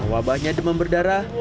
wabahnya demam berdarah